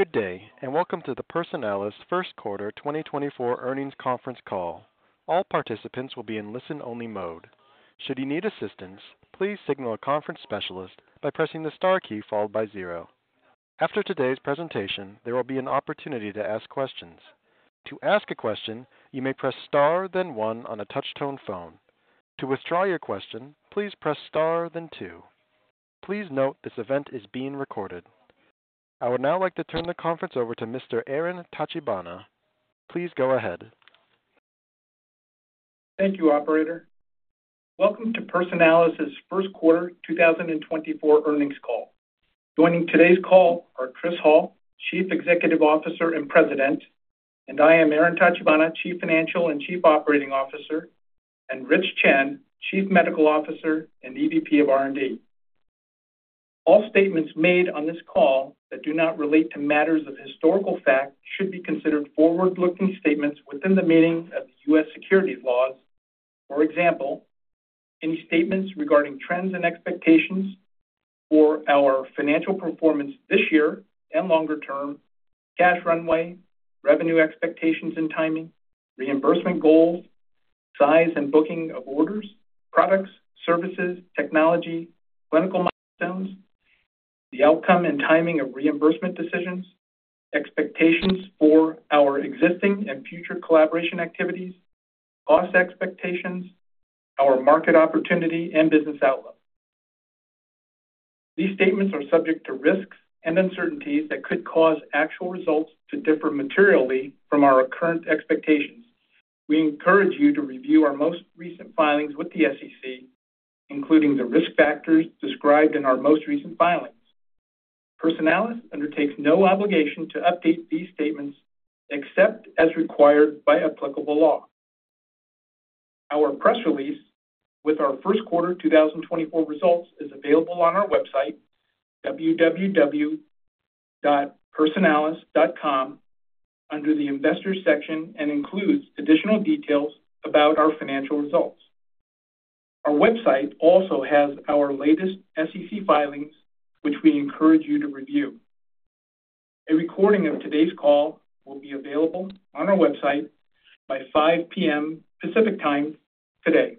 Good day and welcome to the Personalis First Quarter 2024 Earnings Conference call. All participants will be in listen-only mode. Should you need assistance, please signal a conference specialist by pressing the star key followed by zero. After today's presentation, there will be an opportunity to ask questions. To ask a question, you may press star then one on a touch-tone phone. To withdraw your question, please press star then two. Please note this event is being recorded. I would now like to turn the conference over to Mr. Aaron Tachibana. Please go ahead. Thank you, operator. Welcome to Personalis's First Quarter 2024 Earnings call. Joining today's call are Chris Hall, Chief Executive Officer and President, and I am Aaron Tachibana, Chief Financial Officer and Chief Operating Officer, and Rich Chen, Chief Medical Officer and EVP of R&D. All statements made on this call that do not relate to matters of historical fact should be considered forward-looking statements within the meaning of the U.S. securities laws. For example, any statements regarding trends and expectations for our financial performance this year and longer term, cash runway, revenue expectations and timing, reimbursement goals, size and booking of orders, products, services, technology, clinical milestones, the outcome and timing of reimbursement decisions, expectations for our existing and future collaboration activities, cost expectations, our market opportunity and business outlook. These statements are subject to risks and uncertainties that could cause actual results to differ materially from our current expectations. We encourage you to review our most recent filings with the SEC, including the risk factors described in our most recent filings. Personalis undertakes no obligation to update these statements except as required by applicable law. Our press release with our First Quarter 2024 results is available on our website, www.personalis.com, under the Investors section and includes additional details about our financial results. Our website also has our latest SEC filings, which we encourage you to review. A recording of today's call will be available on our website by 5:00 P.M. Pacific Time today.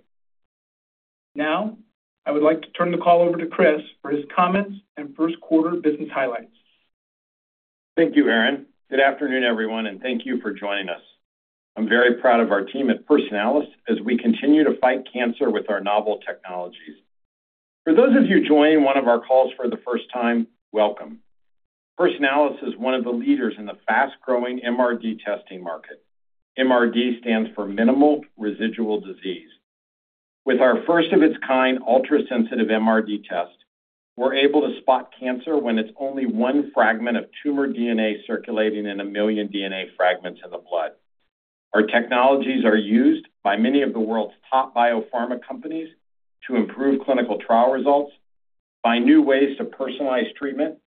Now, I would like to turn the call over to Chris for his comments and First Quarter business highlights. Thank you, Aaron. Good afternoon, everyone, and thank you for joining us. I'm very proud of our team at Personalis as we continue to fight cancer with our novel technologies. For those of you joining one of our calls for the first time, welcome. Personalis is one of the leaders in the fast-growing MRD testing market. MRD stands for Minimal Residual Disease. With our first-of-its-kind ultra-sensitive MRD test, we're able to spot cancer when it's only one fragment of tumor DNA circulating in 1 million DNA fragments in the blood. Our technologies are used by many of the world's top biopharma companies to improve clinical trial results, find new ways to personalize treatment,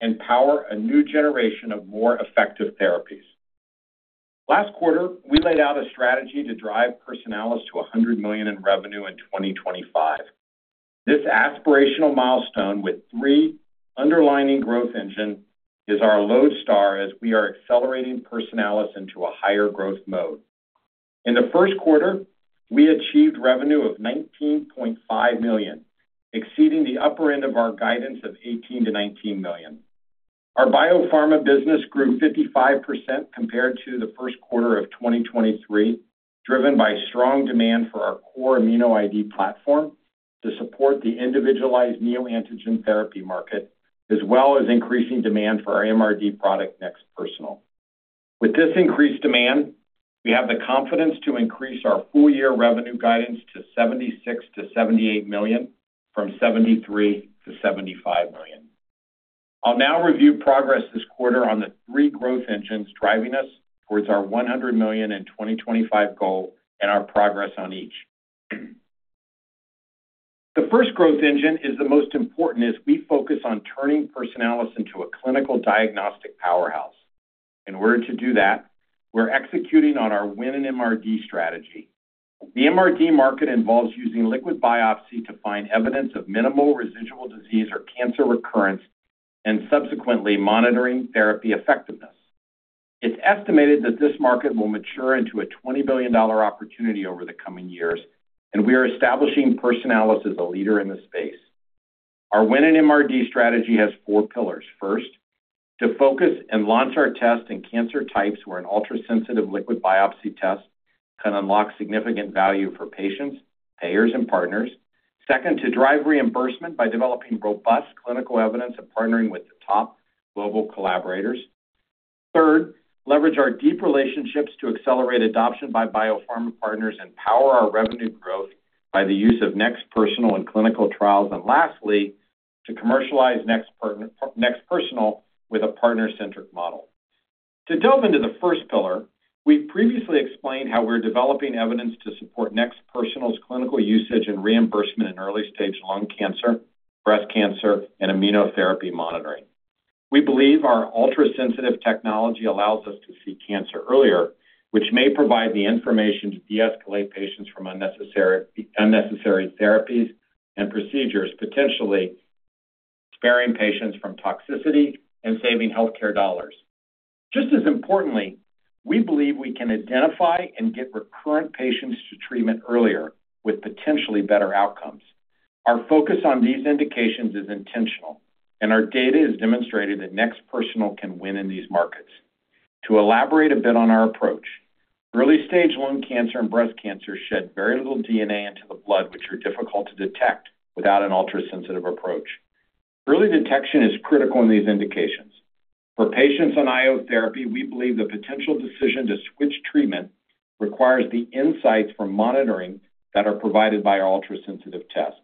and power a new generation of more effective therapies. Last quarter, we laid out a strategy to drive Personalis to $100 million in revenue in 2025. This aspirational milestone with three underlying growth engines is our lodestar as we are accelerating Personalis into a higher growth mode. In the first quarter, we achieved revenue of $19.5 million, exceeding the upper end of our guidance of $18 million to $19 million. Our biopharma business grew 55% compared to the first quarter of 2023, driven by strong demand for our core ImmunoID platform to support the individualized neoantigen therapy market, as well as increasing demand for our MRD product NeXT Personal. With this increased demand, we have the confidence to increase our full-year revenue guidance to $76 million to $78 million from $73 million to $75 million. I'll now review progress this quarter on the three growth engines driving us towards our $100 million in 2025 goal and our progress on each. The first growth engine is the most important as we focus on turning Personalis into a clinical diagnostic powerhouse. In order to do that, we're executing on our Win in MRD strategy. The MRD market involves using liquid biopsy to find evidence of minimal residual disease or cancer recurrence and subsequently monitoring therapy effectiveness. It's estimated that this market will mature into a $20 billion opportunity over the coming years, and we are establishing Personalis as a leader in the space. Our Win in MRD strategy has four pillars. First, to focus and launch our test in cancer types where an ultra-sensitive liquid biopsy test can unlock significant value for patients, payers, and partners. Second, to drive reimbursement by developing robust clinical evidence and partnering with the top global collaborators. Third, leverage our deep relationships to accelerate adoption by biopharma partners and power our revenue growth by the use of NeXT Personal in clinical trials. And lastly, to commercialize NeXT Personal with a partner-centric model. To delve into the first pillar, we've previously explained how we're developing evidence to support NeXT Personal's clinical usage and reimbursement in early-stage lung cancer, breast cancer, and immunotherapy monitoring. We believe our ultra-sensitive technology allows us to see cancer earlier, which may provide the information to de-escalate patients from unnecessary therapies and procedures, potentially sparing patients from toxicity and saving healthcare dollars. Just as importantly, we believe we can identify and get recurrent patients to treatment earlier with potentially better outcomes. Our focus on these indications is intentional, and our data has demonstrated that NeXT Personal can win in these markets. To elaborate a bit on our approach, early-stage lung cancer and breast cancer shed very little DNA into the blood, which are difficult to detect without an ultra-sensitive approach. Early detection is critical in these indications. For patients on IO therapy, we believe the potential decision to switch treatment requires the insights from monitoring that are provided by our ultra-sensitive test.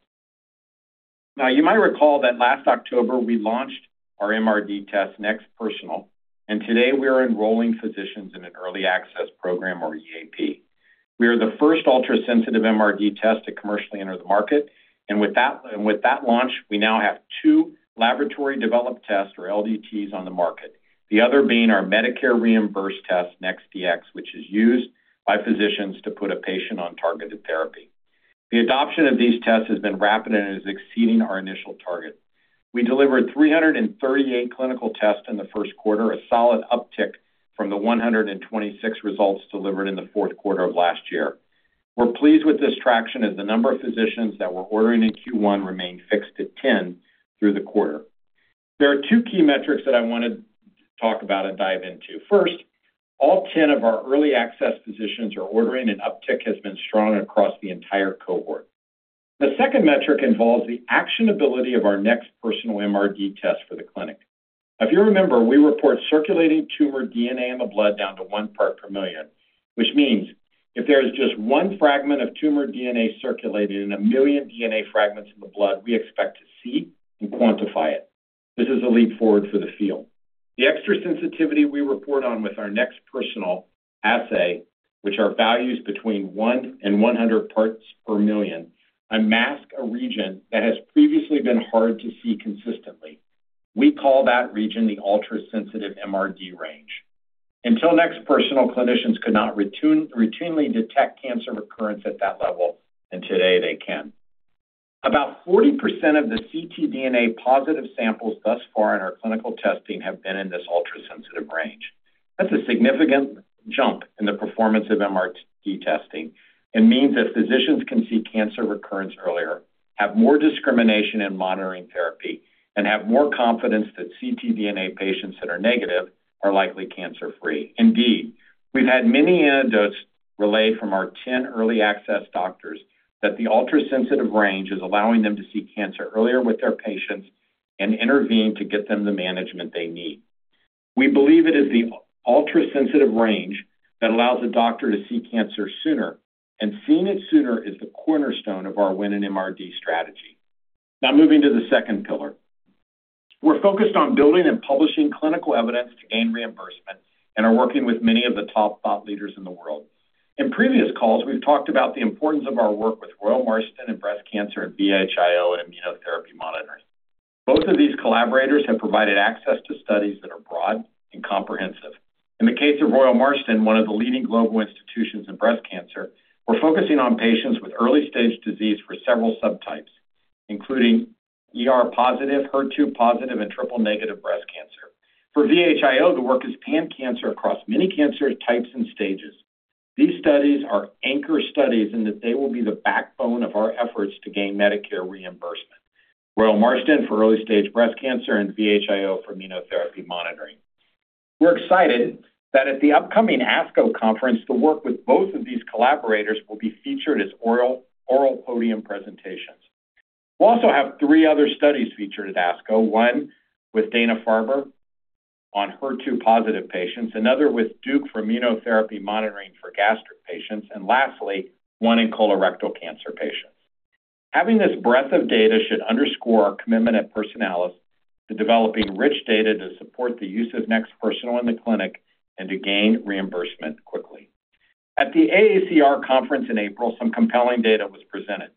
Now, you might recall that last October we launched our MRD test, NeXT Personal, and today we are enrolling physicians in an early access program, or EAP. We are the first ultra-sensitive MRD test to commercially enter the market, and with that launch, we now have two laboratory-developed tests, or LDTs, on the market, the other being our Medicare-reimbursed test, NeXT Dx, which is used by physicians to put a patient on targeted therapy. The adoption of these tests has been rapid and is exceeding our initial target. We delivered 338 clinical tests in the first quarter, a solid uptick from the 126 results delivered in the fourth quarter of last year. We're pleased with this traction as the number of physicians that were ordering in Q1 remained fixed at 10 through the quarter. There are two key metrics that I want to talk about and dive into. First, all 10 of our early access physicians are ordering, and uptick has been strong across the entire cohort. The second metric involves the actionability of our NeXT Personal MRD test for the clinic. If you remember, we report circulating tumor DNA in the blood down to one part per million, which means if there is just one fragment of tumor DNA circulating in a million DNA fragments in the blood, we expect to see and quantify it. This is a leap forward for the field. The extra sensitivity we report on with our NeXT Personal assay, which are values between 1-100 parts per million, impacts a region that has previously been hard to see consistently. We call that region the ultra-sensitive MRD range. Until NeXT Personal, clinicians could not routinely detect cancer recurrence at that level, and today they can. About 40% of the ctDNA-positive samples thus far in our clinical testing have been in this ultra-sensitive range. That's a significant jump in the performance of MRD testing. It means that physicians can see cancer recurrence earlier, have more discrimination in monitoring therapy, and have more confidence that ctDNA patients that are negative are likely cancer-free. Indeed, we've had many anecdotes relayed from our 10 early access doctors that the ultra-sensitive range is allowing them to see cancer earlier with their patients and intervene to get them the management they need. We believe it is the ultra-sensitive range that allows a doctor to see cancer sooner, and seeing it sooner is the cornerstone of our Win in MRD strategy. Now, moving to the second pillar. We're focused on building and publishing clinical evidence to gain reimbursement and are working with many of the top thought leaders in the world. In previous calls, we've talked about the importance of our work with Royal Marsden in breast cancer and VHIO and immunotherapy monitoring. Both of these collaborators have provided access to studies that are broad and comprehensive. In the case of Royal Marsden, one of the leading global institutions in breast cancer, we're focusing on patients with early-stage disease for several subtypes, including ER-positive, HER2-positive, and triple-negative breast cancer. For VHIO, the work is pan-cancer across many cancer types and stages. These studies are anchor studies in that they will be the backbone of our efforts to gain Medicare reimbursement: Royal Marsden for early-stage breast cancer and VHIO for immunotherapy monitoring. We're excited that at the upcoming ASCO conference, the work with both of these collaborators will be featured as oral podium presentations. We'll also have three other studies featured at ASCO, one with Dana-Farber on HER2-positive patients, another with Duke for immunotherapy monitoring for gastric patients, and lastly, one in colorectal cancer patients. Having this breadth of data should underscore our commitment at Personalis to developing rich data to support the use of NeXT Personal in the clinic and to gain reimbursement quickly. At the AACR conference in April, some compelling data was presented.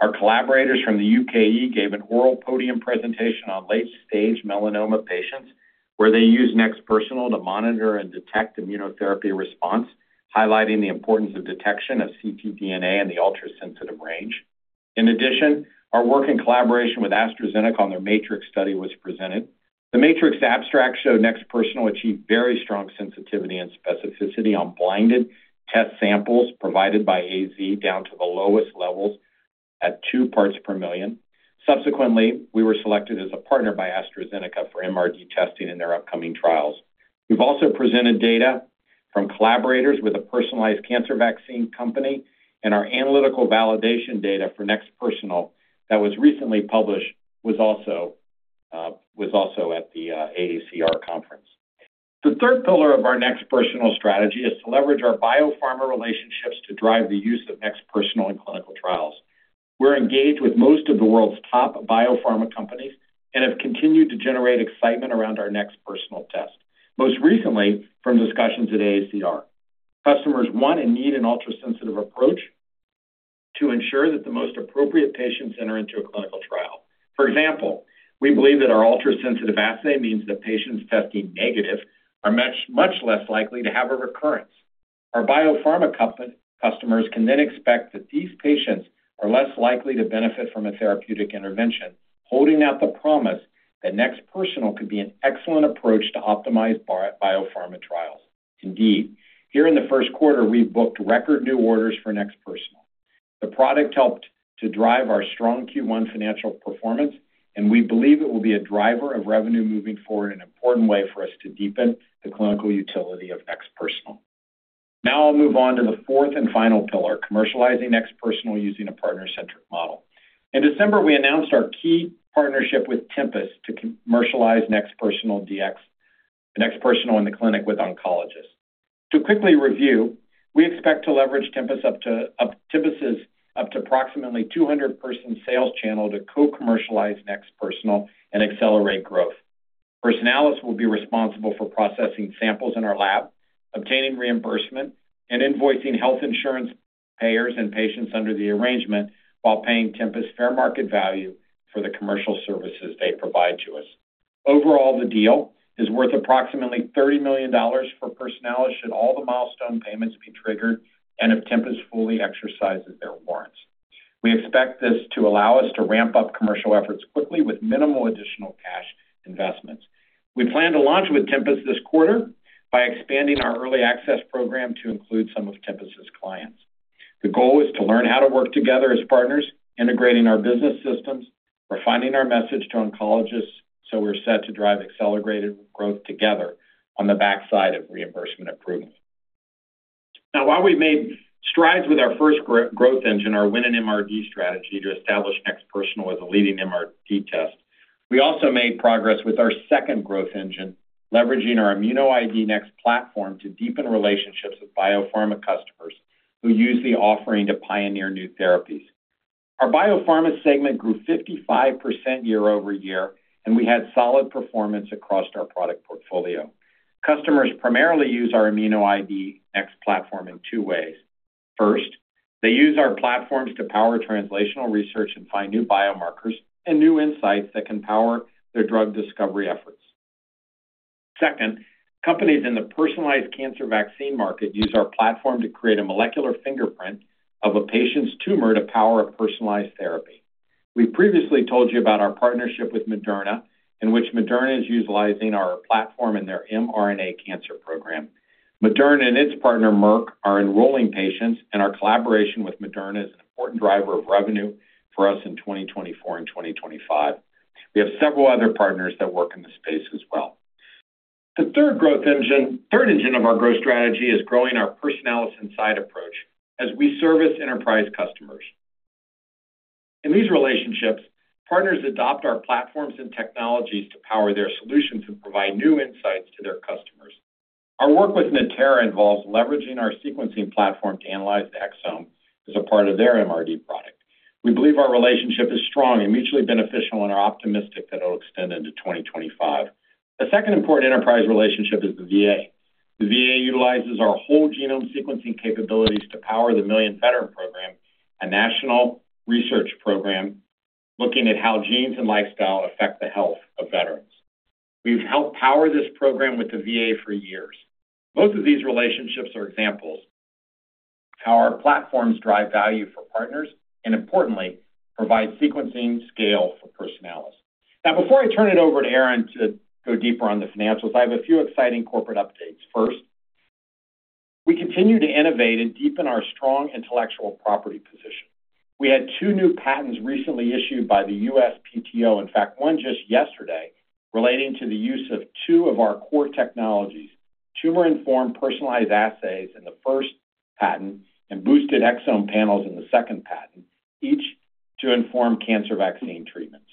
Our collaborators from the UKE gave an oral podium presentation on late-stage melanoma patients where they use NeXT Personal to monitor and detect immunotherapy response, highlighting the importance of detection of ctDNA in the ultra-sensitive range. In addition, our work in collaboration with AstraZeneca on their MATRIX study was presented. The MATRIX abstract showed NeXT Personal achieve very strong sensitivity and specificity on blinded test samples provided by AZ down to the lowest levels at two parts per million. Subsequently, we were selected as a partner by AstraZeneca for MRD testing in their upcoming trials. We've also presented data from collaborators with a personalized cancer vaccine company, and our analytical validation data for NeXT Personal that was recently published was also at the AACR conference. The third pillar of our NeXT Personal strategy is to leverage our biopharma relationships to drive the use of NeXT Personal in clinical trials. We're engaged with most of the world's top biopharma companies and have continued to generate excitement around our NeXT Personal test, most recently from discussions at AACR. Customers want and need an ultra-sensitive approach to ensure that the most appropriate patients enter into a clinical trial. For example, we believe that our ultra-sensitive assay means that patients testing negative are much less likely to have a recurrence. Our biopharma customers can then expect that these patients are less likely to benefit from a therapeutic intervention, holding out the promise that NeXT Personal could be an excellent approach to optimize biopharma trials. Indeed, here in the first quarter, we've booked record new orders for NeXT Personal. The product helped to drive our strong Q1 financial performance, and we believe it will be a driver of revenue moving forward, an important way for us to deepen the clinical utility of NeXT Personal. Now I'll move on to the fourth and final pillar, commercializing NeXT Personal using a partner-centric model. In December, we announced our key partnership with Tempus to commercialize NeXT Personal in the clinic with oncologists. To quickly review, we expect to leverage Tempus's up to approximately 200-person sales channel to co-commercialize NeXT Personal and accelerate growth. Personalis will be responsible for processing samples in our lab, obtaining reimbursement, and invoicing health insurance payers and patients under the arrangement while paying Tempus fair market value for the commercial services they provide to us. Overall, the deal is worth approximately $30 million for Personalis should all the milestone payments be triggered and if Tempus fully exercises their warrants. We expect this to allow us to ramp up commercial efforts quickly with minimal additional cash investments. We plan to launch with Tempus this quarter by expanding our early access program to include some of Tempus's clients. The goal is to learn how to work together as partners, integrating our business systems, refining our message to oncologists, so we're set to drive accelerated growth together on the backside of reimbursement improvement. Now, while we've made strides with our first growth engine, our Win in MRD strategy to establish NeXT Personal as a leading MRD test, we also made progress with our second growth engine, leveraging our ImmunoID NeXT platform to deepen relationships with biopharma customers who use the offering to pioneer new therapies. Our biopharma segment grew 55% year-over-year, and we had solid performance across our product portfolio. Customers primarily use our immunoID NeXT platform in two ways. First, they use our platforms to power translational research and find new biomarkers and new insights that can power their drug discovery efforts. Second, companies in the personalized cancer vaccine market use our platform to create a molecular fingerprint of a patient's tumor to power a personalized therapy. We've previously told you about our partnership with Moderna, in which Moderna is utilizing our platform in their mRNA cancer program. Moderna and its partner, Merck, are enrolling patients, and our collaboration with Moderna is an important driver of revenue for us in 2024 and 2025. We have several other partners that work in the space as well. The third growth engine of our growth strategy is growing our Personalis Inside approach as we service enterprise customers. In these relationships, partners adopt our platforms and technologies to power their solutions and provide new insights to their customers. Our work with Natera involves leveraging our sequencing platform to analyze the exome as a part of their MRD product. We believe our relationship is strong and mutually beneficial, and are optimistic that it'll extend into 2025. A second important enterprise relationship is the VA. The VA utilizes our whole genome sequencing capabilities to power the Million Veteran Program, a national research program looking at how genes and lifestyle affect the health of veterans. We've helped power this program with the VA for years. Both of these relationships are examples of how our platforms drive value for partners and, importantly, provide sequencing scale for Personalis. Now, before I turn it over to Aaron to go deeper on the financials, I have a few exciting corporate updates. First, we continue to innovate and deepen our strong intellectual property position. We had two new patents recently issued by the USPTO, in fact, one just yesterday, relating to the use of two of our core technologies, tumor-informed personalized assays in the first patent and boosted exome panels in the second patent, each to inform cancer vaccine treatments.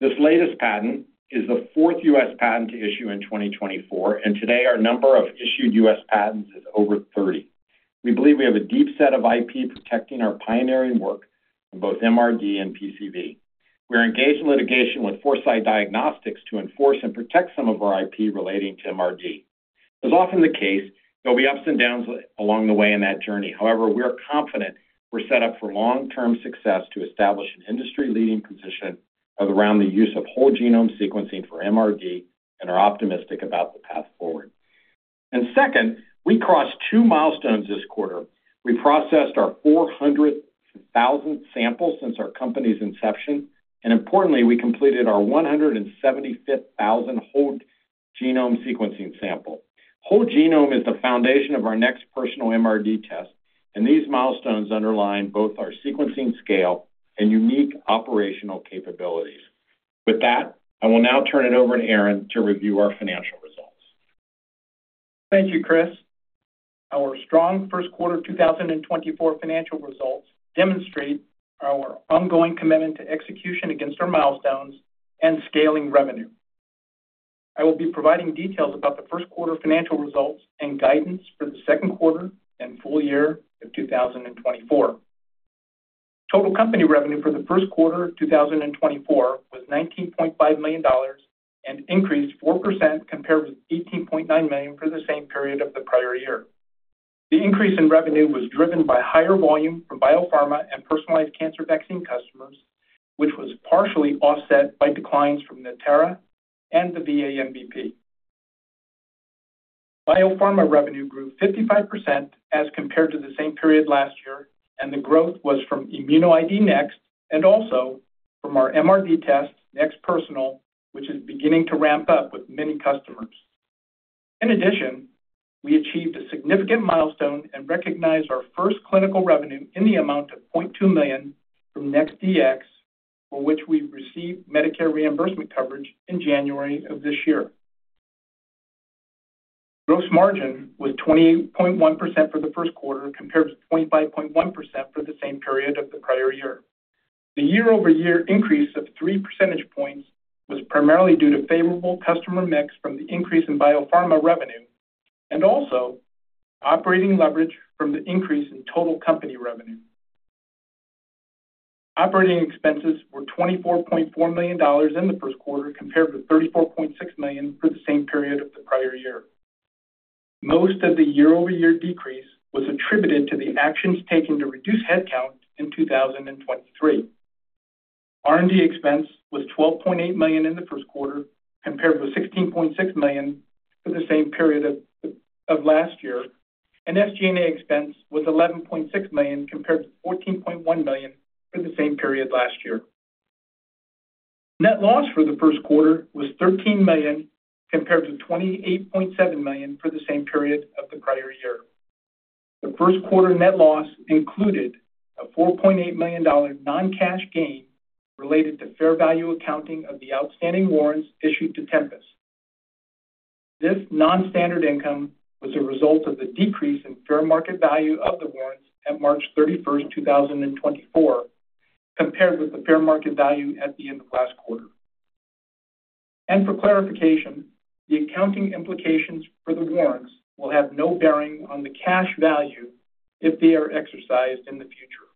This latest patent is the fourth U.S. patent to issue in 2024, and today our number of issued U.S. patents is over 30. We believe we have a deep set of IP protecting our pioneering work in both MRD and PCV. We are engaged in litigation with Foresight Diagnostics to enforce and protect some of our IP relating to MRD. As is often the case, there'll be ups and downs along the way in that journey. However, we are confident we're set up for long-term success to establish an industry-leading position around the use of Whole Genome Sequencing for MRD, and are optimistic about the path forward. Second, we crossed two milestones this quarter. We processed our 400th sample since our company's inception, and importantly, we completed our 175th Whole Genome Sequencing sample. Whole Genome Sequencing is the foundation of our NeXT Personal MRD test, and these milestones underline both our sequencing scale and unique operational capabilities. With that, I will now turn it over to Aaron to review our financial results. Thank you, Chris. Our strong first quarter 2024 financial results demonstrate our ongoing commitment to execution against our milestones and scaling revenue. I will be providing details about the first quarter financial results and guidance for the second quarter and full year of 2024. Total company revenue for the first quarter of 2024 was $19.5 million and increased 4% compared with $18.9 million for the same period of the prior year. The increase in revenue was driven by higher volume from biopharma and personalized cancer vaccine customers, which was partially offset by declines from Natera and the VA MVP. Biopharma revenue grew 55% as compared to the same period last year, and the growth was from immunoID NeXT and also from our MRD test, NeXT Personal, which is beginning to ramp up with many customers. In addition, we achieved a significant milestone and recognized our first clinical revenue in the amount of $0.2 million from NeXT Dx, for which we received Medicare reimbursement coverage in January of this year. Gross margin was 28.1% for the first quarter compared with 25.1% for the same period of the prior year. The year-over-year increase of three percentage points was primarily due to favorable customer mix from the increase in biopharma revenue and also operating leverage from the increase in total company revenue. Operating expenses were $24.4 million in the first quarter compared with $34.6 million for the same period of the prior year. Most of the year-over-year decrease was attributed to the actions taken to reduce headcount in 2023. R&D expense was $12.8 million in the first quarter compared with $16.6 million for the same period of last year, and SG&A expense was $11.6 million compared with $14.1 million for the same period last year. Net loss for the first quarter was $13 million compared with $28.7 million for the same period of the prior year. The first quarter net loss included a $4.8 million non-cash gain related to fair value accounting of the outstanding warrants issued to Tempus. This non-standard income was a result of the decrease in fair market value of the warrants at March 31st, 2024, compared with the fair market value at the end of last quarter. For clarification, the accounting implications for the warrants will have no bearing on the cash value if they are exercised in the future.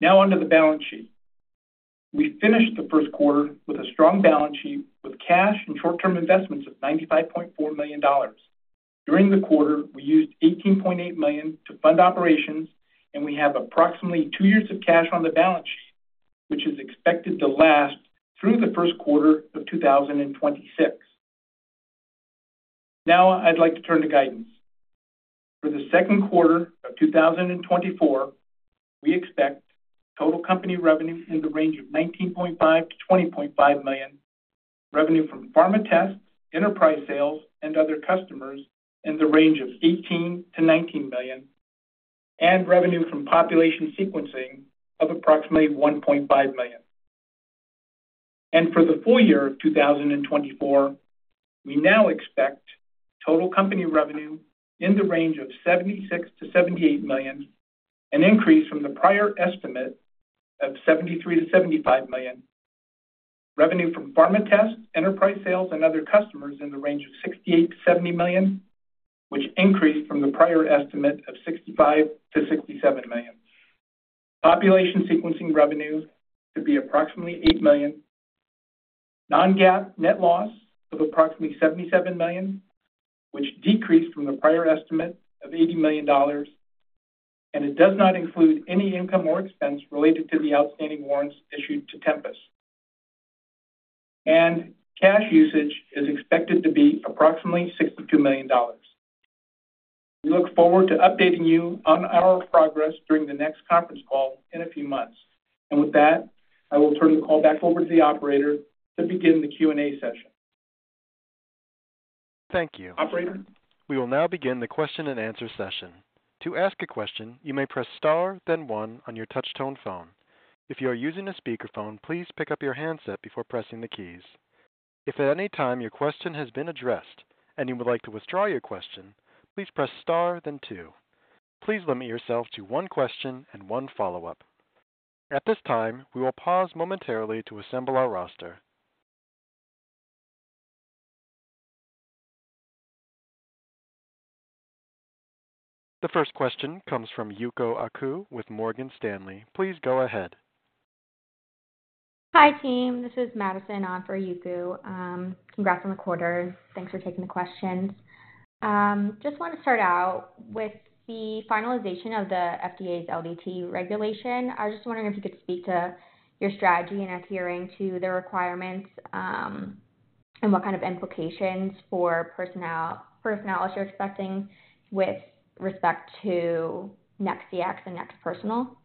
Now onto the balance sheet. We finished the first quarter with a strong balance sheet with cash and short-term investments of $95.4 million. During the quarter, we used $18.8 million to fund operations, and we have approximately two years of cash on the balance sheet, which is expected to last through the first quarter of 2026. Now I'd like to turn to guidance. For the second quarter of 2024, we expect total company revenue in the range of $19.5 million to $20.5 million, revenue from pharma tests, enterprise sales, and other customers in the range of $18-$19 million, and revenue from population sequencing of approximately $1.5 million. For the full year of 2024, we now expect total company revenue in the range of $76 million to $78 million, an increase from the prior estimate of $73 million to $75 million, revenue from pharma tests, enterprise sales, and other customers in the range of $68million to $70 million, which increased from the prior estimate of $65 million to $67 million, population sequencing revenue to be approximately $8 million, non-GAAP net loss of approximately $77 million, which decreased from the prior estimate of $80 million, and it does not include any income or expense related to the outstanding warrants issued to Tempus. Cash usage is expected to be approximately $62 million. We look forward to updating you on our progress during the next conference call in a few months. With that, I will turn the call back over to the operator to begin the Q&A session. Thank you. Operator? We will now begin the question and answer session. To ask a question, you may press star, then one, on your touch-tone phone. If you are using a speakerphone, please pick up your handset before pressing the keys. If at any time your question has been addressed and you would like to withdraw your question, please press star, then two. Please limit yourself to one question and one follow-up. At this time, we will pause momentarily to assemble our roster. The first question comes from Yuko Oku with Morgan Stanley. Please go ahead. Hi, team. This is Madison on for Yuko. Congrats on the quarter. Thanks for taking the questions. Just want to start out with the finalization of the FDA's LDT regulation. I was just wondering if you could speak to your strategy in adhering to the requirements and what kind of implications for Personalis you're expecting with respect to NeXT Dx and NeXT Personal.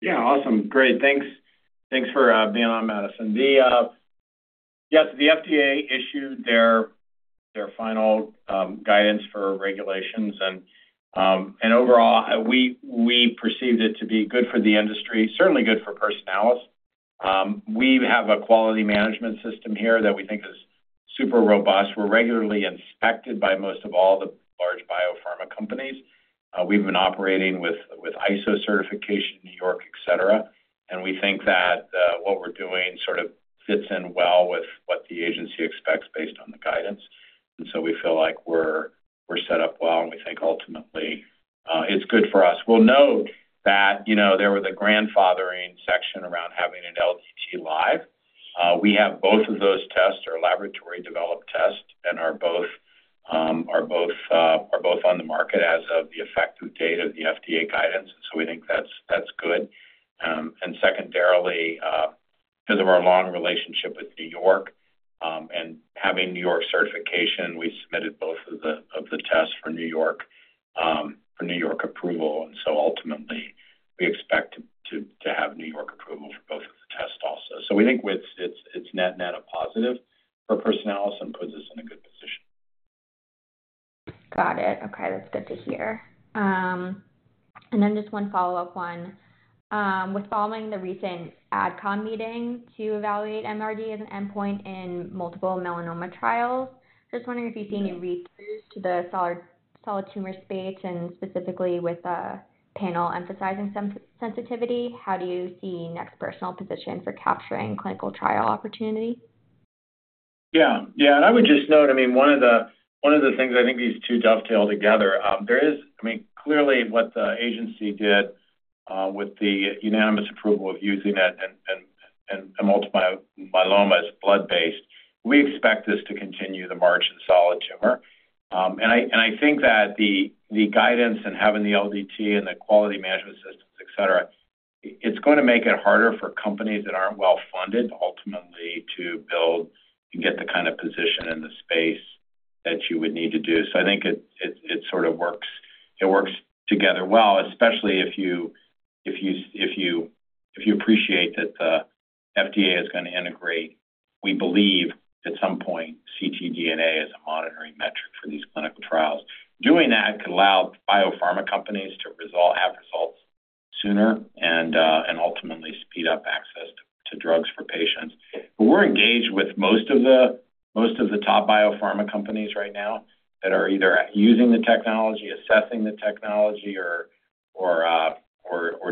Yeah. Awesome. Great. Thanks for being on, Madison. Yes, the FDA issued their final guidance for regulations, and overall, we perceived it to be good for the industry, certainly good for Personalis. We have a quality management system here that we think is super robust. We're regularly inspected by most of all the large biopharma companies. We've been operating with ISO certification, New York, etc. And we think that what we're doing sort of fits in well with what the agency expects based on the guidance. And so we feel like we're set up well, and we think ultimately it's good for us. We'll note that there was a grandfathering section around having an LDT live. We have both of those tests, our laboratory-developed tests, and are both on the market as of the effective date of the FDA guidance. And so we think that's good. Secondarily, because of our long relationship with New York and having New York certification, we submitted both of the tests for New York approval. Ultimately, we expect to have New York approval for both of the tests also. We think it's net a positive for Personalis and puts us in a good position. Got it. Okay. That's good to hear. And then just one follow-up one. With following the recent AdCom meeting to evaluate MRD as an endpoint in multiple melanoma trials, just wondering if you see any read-throughs to the solid tumor space and specifically with a panel emphasizing sensitivity, how do you see NeXT Personal positioned for capturing clinical trial opportunity? Yeah. Yeah. And I would just note, I mean, one of the things I think these two dovetail together, there is, I mean, clearly what the agency did with the unanimous approval of using it and multiple myeloma as blood-based, we expect this to continue the march in solid tumor. And I think that the guidance and having the LDT and the quality management systems, etc., it's going to make it harder for companies that aren't well-funded ultimately to build and get the kind of position in the space that you would need to do. So I think it sort of works together well, especially if you appreciate that the FDA is going to integrate, we believe, at some point, ctDNA as a monitoring metric for these clinical trials. Doing that could allow biopharma companies to have results sooner and ultimately speed up access to drugs for patients. But we're engaged with most of the top biopharma companies right now that are either using the technology, assessing the technology, or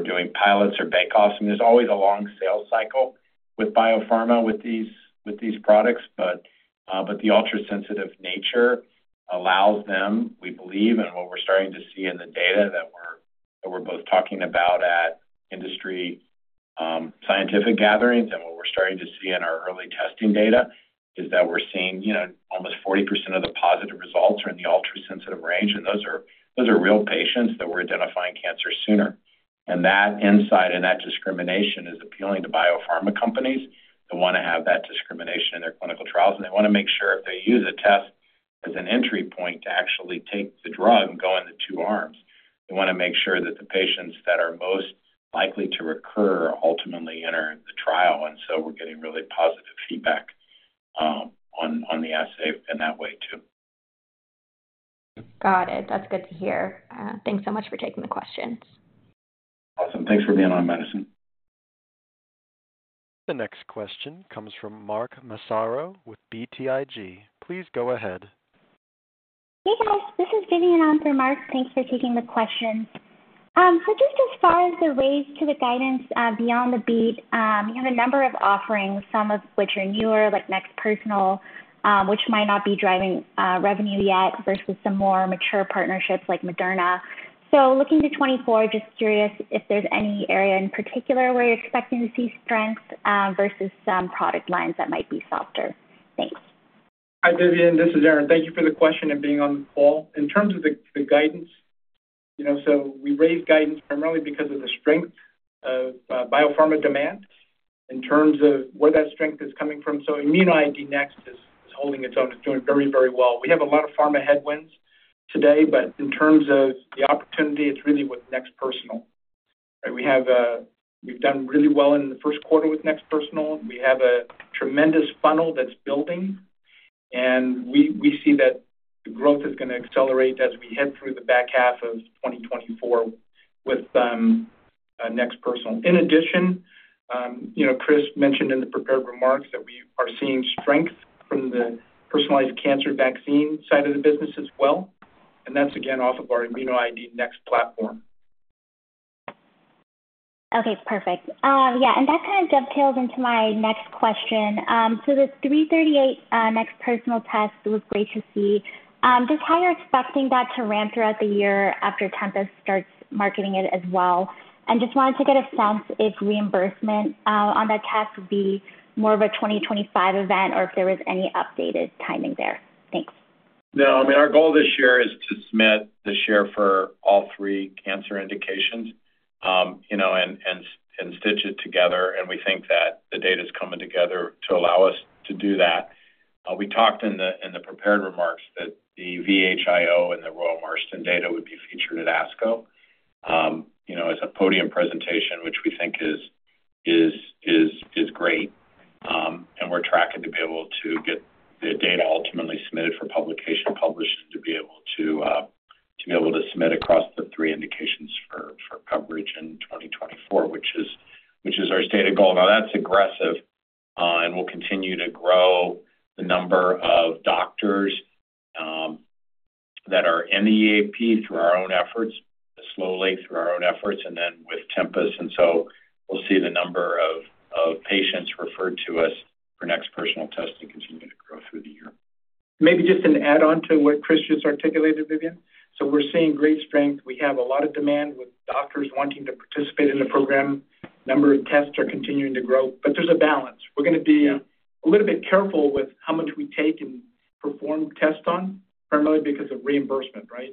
doing pilots or bake-offs. I mean, there's always a long sales cycle with biopharma with these products, but the ultra-sensitive nature allows them, we believe, and what we're starting to see in the data that we're both talking about at industry scientific gatherings and what we're starting to see in our early testing data is that we're seeing almost 40% of the positive results are in the ultra-sensitive range, and those are real patients that we're identifying cancer sooner. That insight and that discrimination is appealing to biopharma companies that want to have that discrimination in their clinical trials, and they want to make sure if they use a test as an entry point to actually take the drug and go in the two arms, they want to make sure that the patients that are most likely to recur ultimately enter the trial. So we're getting really positive feedback on the assay in that way too. Got it. That's good to hear. Thanks so much for taking the questions. Awesome. Thanks for being on, Madison. The next question comes from Mark Massaro with BTIG. Please go ahead. Hey, guys. This is Vivian on for Mark. Thanks for taking the questions. So just as far as the ways to the guidance beyond the BEAT, you have a number of offerings, some of which are newer, like NeXT Personal, which might not be driving revenue yet versus some more mature partnerships like Moderna. So looking to 2024, just curious if there's any area in particular where you're expecting to see strength versus some product lines that might be softer. Thanks. Hi, Vivian. This is Aaron. Thank you for the question and being on the call. In terms of the guidance, so we raised guidance primarily because of the strength of biopharma demand in terms of where that strength is coming from. So immunoID NeXT is holding its own. It's doing very, very well. We have a lot of pharma headwinds today, but in terms of the opportunity, it's really with NeXT Personal, right? We've done really well in the first quarter with NeXT Personal. We have a tremendous funnel that's building, and we see that the growth is going to accelerate as we head through the back half of 2024 with NeXT Personal. In addition, Chris mentioned in the prepared remarks that we are seeing strength from the personalized cancer vaccine side of the business as well. And that's, again, off of our immunoID NeXT platform. Okay. Perfect. Yeah. And that kind of dovetails into my next question. So the 338 NeXT Personal test was great to see. Just how you're expecting that to ramp throughout the year after Tempus starts marketing it as well? And just wanted to get a sense if reimbursement on that test would be more of a 2025 event or if there was any updated timing there. Thanks. No. I mean, our goal this year is to submit the share for all three cancer indications and stitch it together. We think that the data is coming together to allow us to do that. We talked in the prepared remarks that the VHIO and the Royal Marsden data would be featured at ASCO as a podium presentation, which we think is great. We're tracking to be able to get the data ultimately submitted for publication, published, and to be able to be able to submit across the three indications for coverage in 2024, which is our stated goal. Now, that's aggressive, and we'll continue to grow the number of doctors that are in the EAP through our own efforts, slowly through our own efforts, and then with Tempus. We'll see the number of patients referred to us for NeXT Personal testing continue to grow through the year. Maybe just an add-on to what Chris just articulated, Vivian. So we're seeing great strength. We have a lot of demand with doctors wanting to participate in the program. Number of tests are continuing to grow. But there's a balance. We're going to be a little bit careful with how much we take and perform tests on, primarily because of reimbursement, right?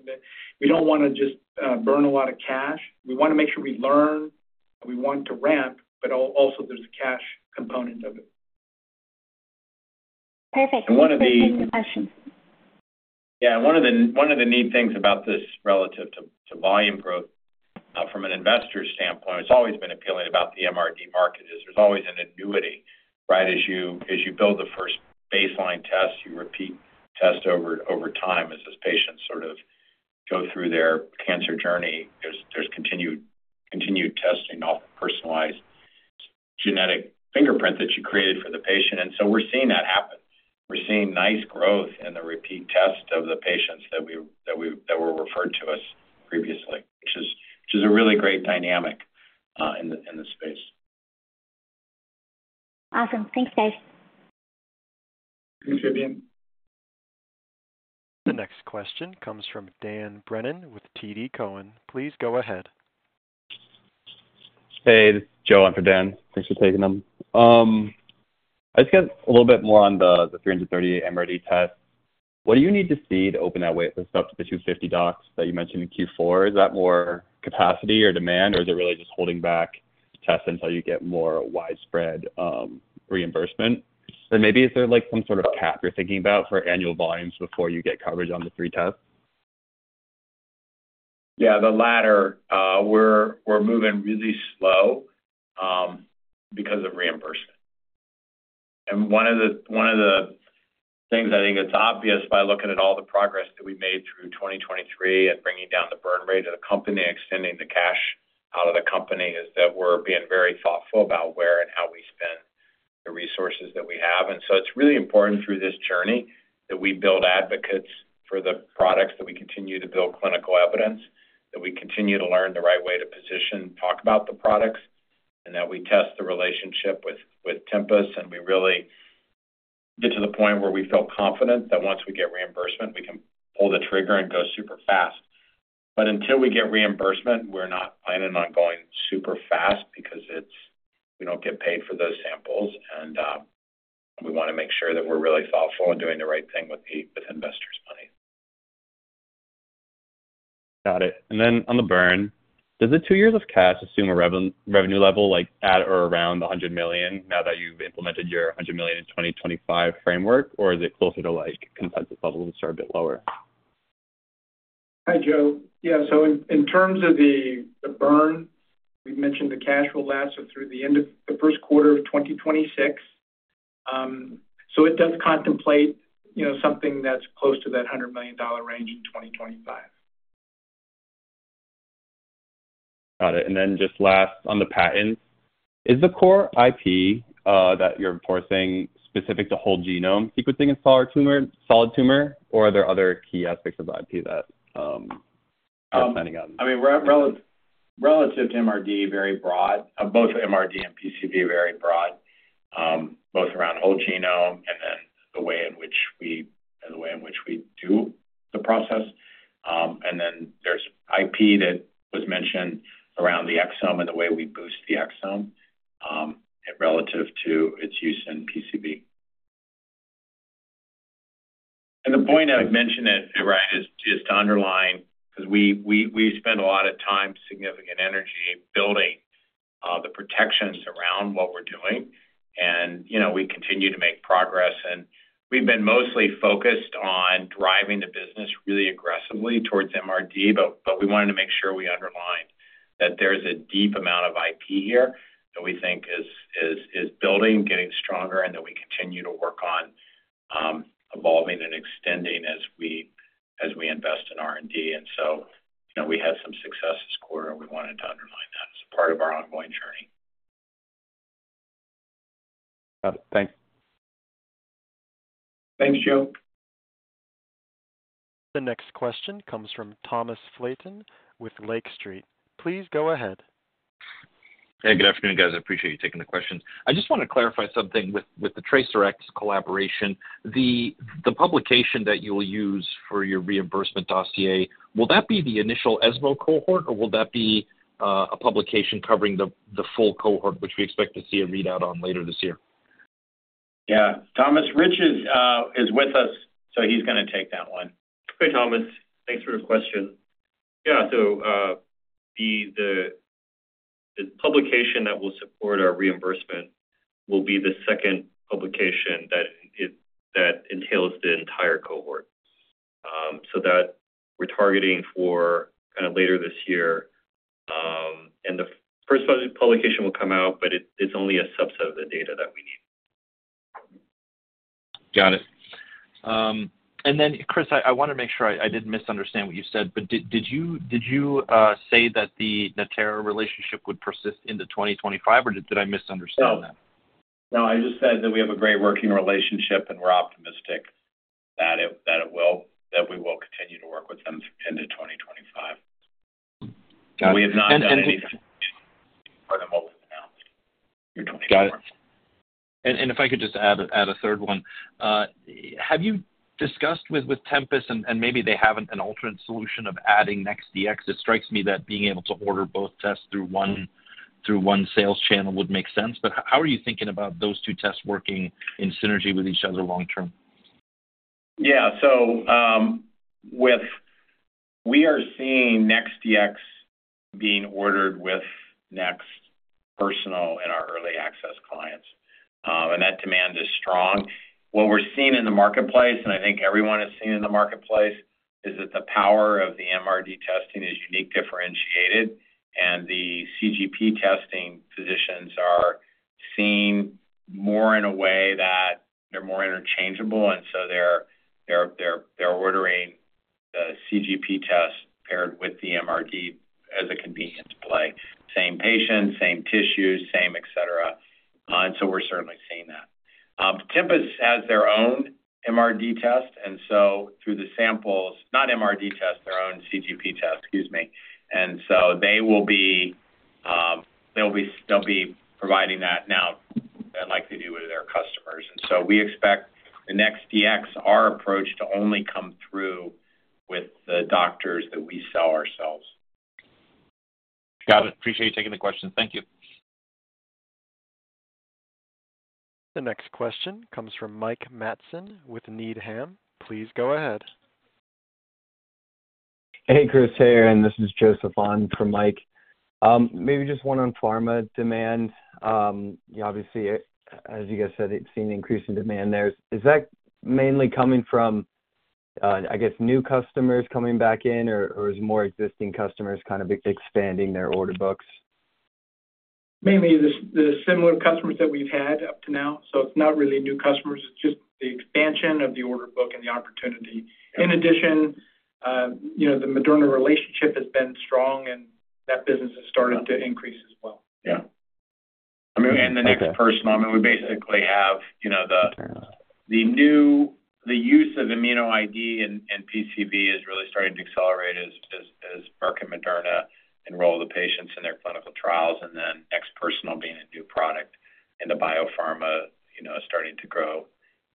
We don't want to just burn a lot of cash. We want to make sure we learn. We want to ramp, but also there's a cash component of it. Perfect. Thank you. One of the. Questions. Yeah. One of the neat things about this relative to volume growth from an investor standpoint, what's always been appealing about the MRD market is there's always an annuity, right? As you build the first baseline test, you repeat test over time as those patients sort of go through their cancer journey. There's continued testing off of personalized genetic fingerprint that you created for the patient. And so we're seeing that happen. We're seeing nice growth in the repeat test of the patients that were referred to us previously, which is a really great dynamic in the space. Awesome. Thanks, guys. Thanks, Vivian. The next question comes from Dan Brennan with TD Cowen. Please go ahead. Hey, it's Joel for Dan. Thanks for taking them. I just got a little bit more on the NeXT MRD test. What do you need to see to open that way for stuff to the 250 docs that you mentioned in Q4? Is that more capacity or demand, or is it really just holding back tests until you get more widespread reimbursement? And maybe is there some sort of cap you're thinking about for annual volumes before you get coverage on the three tests? Yeah. The latter. We're moving really slow because of reimbursement. And one of the things I think it's obvious by looking at all the progress that we made through 2023 and bringing down the burn rate of the company, extending the cash out of the company, is that we're being very thoughtful about where and how we spend the resources that we have. And so it's really important through this journey that we build advocates for the products, that we continue to build clinical evidence, that we continue to learn the right way to position, talk about the products, and that we test the relationship with Tempus. And we really get to the point where we feel confident that once we get reimbursement, we can pull the trigger and go super fast. But until we get reimbursement, we're not planning on going super fast because we don't get paid for those samples. We want to make sure that we're really thoughtful and doing the right thing with investors' money. Got it. And then on the burn, does the two years of cash assume a revenue level at or around $100 million now that you've implemented your $100 million in 2025 framework, or is it closer to consensus levels and start a bit lower? Hi, Joe. Yeah. So in terms of the burn, we've mentioned the cash will last through the end of the first quarter of 2026. So it does contemplate something that's close to that $100 million range in 2025. Got it. And then just last on the patents, is the core IP that you're enforcing specific to whole genome sequencing in solid tumor, or are there other key aspects of IP that you're planning on? I mean, relative to MRD, very broad. Both MRD and PCV, very broad, both around whole genome and then the way in which we and the way in which we do the process. And then there's IP that was mentioned around the exome and the way we boost the exome relative to its use in PCV. And the point I've mentioned, right, is to underline because we spend a lot of time, significant energy building the protections around what we're doing. And we continue to make progress. And we've been mostly focused on driving the business really aggressively towards MRD, but we wanted to make sure we underline that there's a deep amount of IP here that we think is building, getting stronger, and that we continue to work on evolving and extending as we invest in R&D. So we had some success this quarter, and we wanted to underline that as a part of our ongoing journey. Got it. Thanks. Thanks, Joe. The next question comes from Thomas Flaten with Lake Street. Please go ahead. Hey. Good afternoon, guys. I appreciate you taking the questions. I just want to clarify something with the TRACERx collaboration. The publication that you'll use for your reimbursement dossier, will that be the initial ESMO cohort, or will that be a publication covering the full cohort, which we expect to see a readout on later this year? Yeah. Thomas Rich is with us, so he's going to take that one. Hi, Thomas. Thanks for the question. Yeah. So the publication that will support our reimbursement will be the second publication that entails the entire cohort. So that we're targeting for kind of later this year. And the first publication will come out, but it's only a subset of the data that we need. Got it. And then, Chris, I want to make sure I didn't misunderstand what you said, but did you say that the Natera relationship would persist into 2025, or did I misunderstand that? No. No. I just said that we have a great working relationship, and we're optimistic that we will continue to work with them through the end of 2025. We have not done anything for them over the past year. Got it. And if I could just add a third one, have you discussed with Tempus and maybe they have an alternate solution of adding NeXT Dx? It strikes me that being able to order both tests through one sales channel would make sense. But how are you thinking about those two tests working in synergy with each other long-term? Yeah. So we are seeing NeXT Dx being ordered with NeXT Personal and our early access clients, and that demand is strong. What we're seeing in the marketplace, and I think everyone has seen in the marketplace, is that the power of the MRD testing is unique, differentiated, and the CGP testing physicians are seen more in a way that they're more interchangeable. And so they're ordering the CGP test paired with the MRD as a convenience play, same patient, same tissues, same, etc. And so we're certainly seeing that. Tempus has their own MRD test, and so through the samples not MRD test, their own CGP test, excuse me. And so they will be providing that now, like they do with their customers. And so we expect the NeXT Dx, our approach, to only come through with the doctors that we sell ourselves. Got it. Appreciate you taking the question. Thank you. The next question comes from Mike Matson with Needham. Please go ahead. Hey, Chris here, and this is Joseph Vaughn from Mike. Maybe just one on pharma demand. Obviously, as you guys said, seeing increasing demand there. Is that mainly coming from, I guess, new customers coming back in, or is more existing customers kind of expanding their order books? Mainly the similar customers that we've had up to now. So it's not really new customers. It's just the expansion of the order book and the opportunity. In addition, the Moderna relationship has been strong, and that business has started to increase as well. Yeah. I mean, and the NeXT Personal. I mean, we basically have the use of immunoID and PCV is really starting to accelerate as Merck and Moderna enroll the patients in their clinical trials, and then NeXT Personal being a new product and the biopharma starting to grow.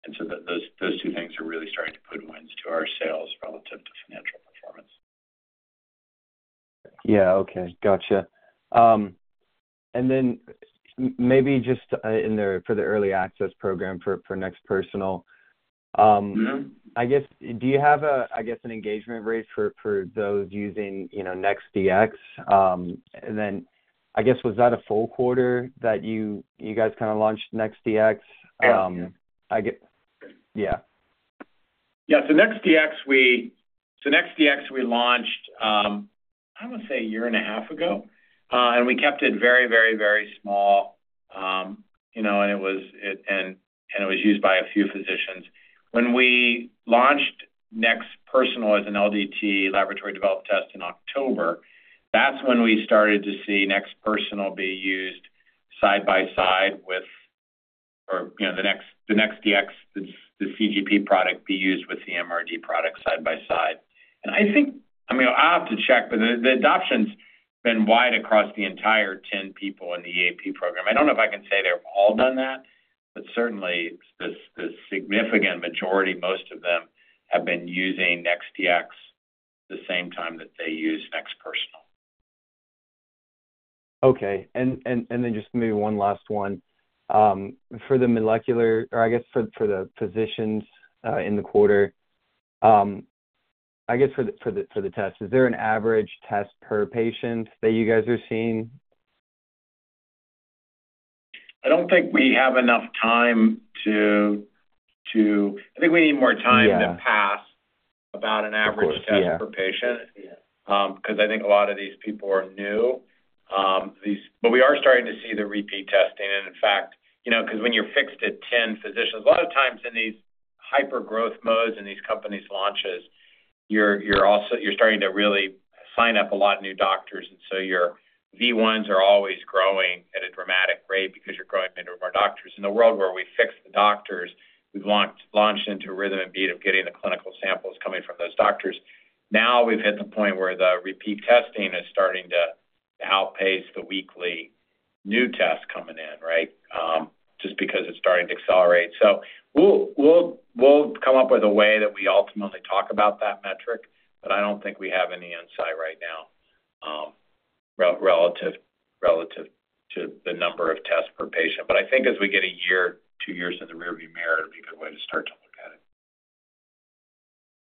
And so those two things are really starting to put winds to our sales relative to financial performance. Yeah. Okay. Gotcha. And then maybe just for the early access program for NeXT Personal, I guess, do you have, I guess, an engagement rate for those using NeXT Dx? And then, I guess, was that a full quarter that you guys kind of launched NeXT Dx? Yeah. Yeah. Yeah. So NeXT Dx, we launched, I want to say, a year and a half ago. And we kept it very, very, very small, and it was used by a few physicians. When we launched NeXT Personal as an LDT laboratory-developed test in October, that's when we started to see NeXT Personal be used side by side with or the NeXT Dx, the CGP product, be used with the MRD product side by side. And I think I mean, I'll have to check, but the adoption's been wide across the entire 10 people in the EAP program. I don't know if I can say they've all done that, but certainly, the significant majority, most of them, have been using NeXT Dx the same time that they use NeXT Personal. Okay. And then just maybe one last one. For the molecular or I guess for the physicians in the quarter, I guess for the tests, is there an average test per patient that you guys are seeing? I don't think we have enough time. I think we need more time to pass about an average test per patient because I think a lot of these people are new. But we are starting to see the repeat testing. In fact, because when you're fixed at 10 physicians, a lot of times in these hyper-growth modes in these companies' launches, you're starting to really sign up a lot of new doctors. So your V1s are always growing at a dramatic rate because you're growing the number of our doctors. In the world where we fixed the doctors, we've launched into a rhythm and beat of getting the clinical samples coming from those doctors. Now, we've hit the point where the repeat testing is starting to outpace the weekly new tests coming in, right, just because it's starting to accelerate. So we'll come up with a way that we ultimately talk about that metric, but I don't think we have any insight right now relative to the number of tests per patient. But I think as we get a year, two years in the rearview mirror, it'd be a good way to start to look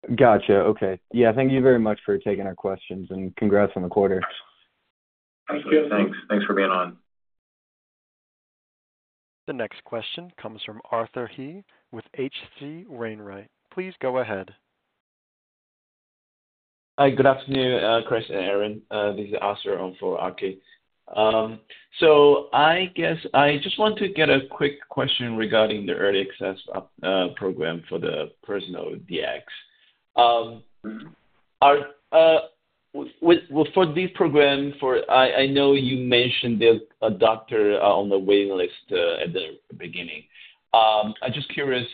at it. Gotcha. Okay. Yeah. Thank you very much for taking our questions, and congrats on the quarter. Thanks, Joe. Thanks. Thanks for being on. The next question comes from Arthur He with H.C. Wainwright. Please go ahead. Hi. Good afternoon, Chris and Aaron. This is Arthur for H.C. Wainwright. So I guess I just want to get a quick question regarding the early access program for the NeXT Personal. For this program, I know you mentioned there's a doctor on the waiting list at the beginning. I'm just curious,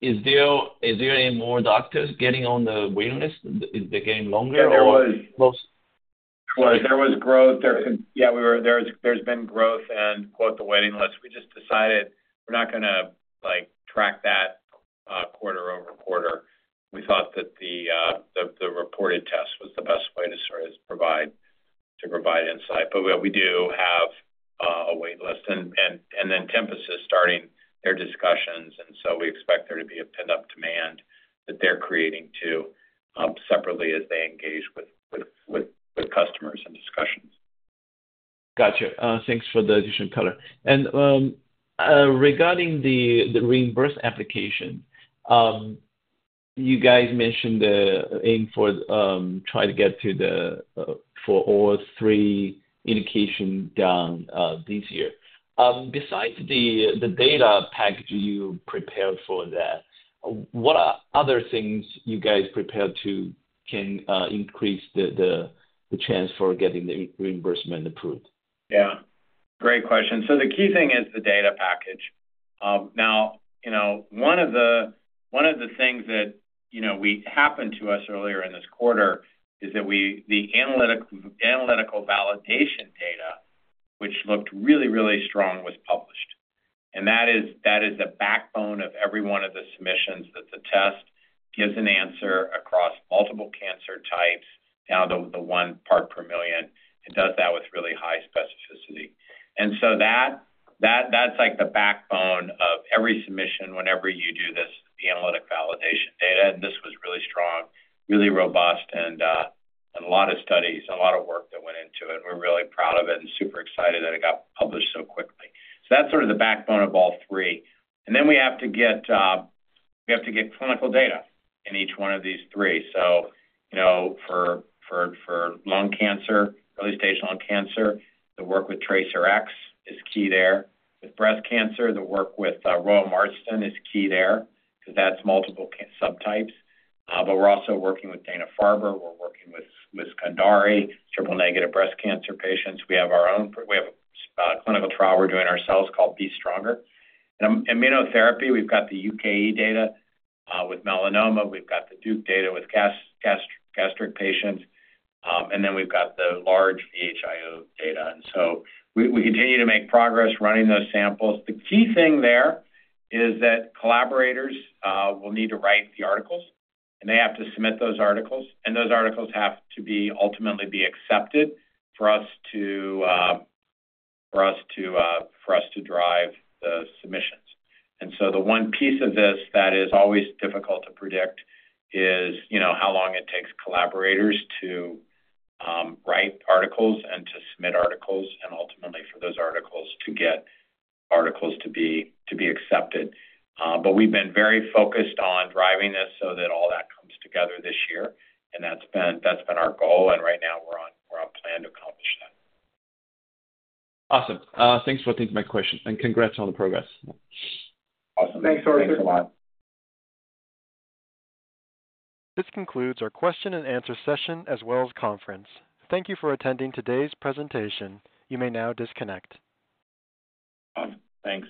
is there any more doctors getting on the waiting list? Is it getting longer, or? Yeah. There was growth. Yeah. There's been growth and, quote, "the waiting list." We just decided we're not going to track that quarter-over-quarter. We thought that the reported test was the best way to sort of provide insight. But we do have a wait list. And then Tempus is starting their discussions, and so we expect there to be a pent-up demand that they're creating, too, separately as they engage with customers and discussions. Gotcha. Thanks for the addition, Color. Regarding the reimbursement application, you guys mentioned the aim for trying to get to the 403 indication done this year. Besides the data package you prepared for that, what are other things you guys prepared to can increase the chance for getting the reimbursement approved? Yeah. Great question. So the key thing is the data package. Now, one of the things that happened to us earlier in this quarter is that the analytical validation data, which looked really, really strong, was published. And that is the backbone of every one of the submissions that the test gives an answer across multiple cancer types, now the 1 part per million. It does that with really high specificity. And so that's the backbone of every submission whenever you do this, the analytic validation data. And this was really strong, really robust, and a lot of studies, a lot of work that went into it. And we're really proud of it and super excited that it got published so quickly. So that's sort of the backbone of all three. And then we have to get clinical data in each one of these three. So for lung cancer, early-stage lung cancer, the work with TRACERx is key there. With breast cancer, the work with Royal Marsden is key there because that's multiple subtypes. But we're also working with Dana-Farber. We're working with Kundari, triple-negative breast cancer patients. We have our own clinical trial we're doing ourselves called Be Stronger. In immunotherapy, we've got the UKE data with melanoma. We've got the Duke data with gastric patients. And then we've got the large VHIO data. And so we continue to make progress running those samples. The key thing there is that collaborators will need to write the articles, and they have to submit those articles. And those articles have to ultimately be accepted for us to drive the submissions. And so the one piece of this that is always difficult to predict is how long it takes collaborators to write articles and to submit articles and ultimately for those articles to get accepted. But we've been very focused on driving this so that all that comes together this year, and that's been our goal. And right now, we're on plan to accomplish that. Awesome. Thanks for taking my question, and congrats on the progress. Awesome. Thanks, Arthur. Thanks a lot. This concludes our question-and-answer session as well as conference. Thank you for attending today's presentation. You may now disconnect. Awesome. Thanks.